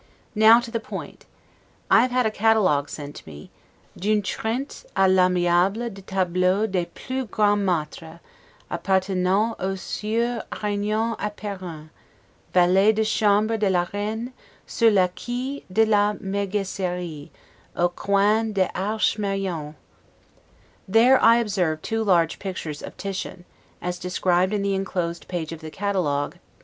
Now to the point. I have had a catalogue sent me, 'd'une Trente a l'aimable de Tableaux des plus Grands Maitres, appartenans au Sieur Araignon Aperen, valet de chambre de la Reine, sur le quai de la Megisserie, au coin de Arche Marion'. There I observe two large pictures of Titian, as described in the inclosed page of the catalogue, No.